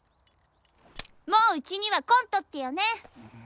もううちには来んとってよね！